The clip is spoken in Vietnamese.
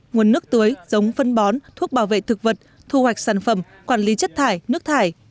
nguồn nước tưới giống phân bón thuốc bảo vệ thực vật thu hoạch sản phẩm quản lý chất thải nước thải